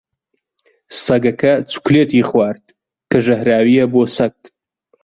سەگەکە چوکلێتی خوارد، کە ژەهراوییە بۆ سەگ.